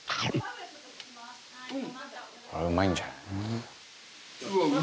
「これはうまいんじゃない？」